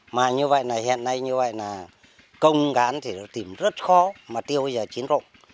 mà như vậy là hiện nay như vậy là công gán thì tìm rất khó mà tiêu bây giờ chín rộng